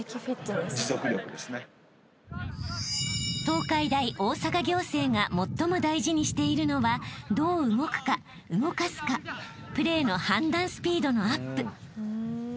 ［東海大大阪仰星が最も大事にしているのはどう動くか動かすかプレーの判断スピードのアップ］